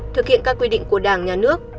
thực hiện các quy định của đảng nhà nước